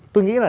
tôi nghĩ là